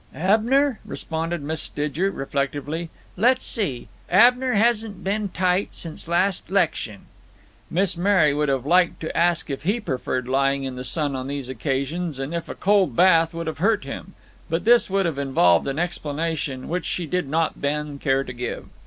"Abner," responded Mrs. Stidger, reflectively, "let's see: Abner hasn't been tight since last 'lection." Miss Mary would have liked to ask if he preferred lying in the sun on these occasions, and if a cold bath would have hurt him; but this would have involved an explanation, which she did not then care to give.